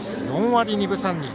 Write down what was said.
４割２分３厘。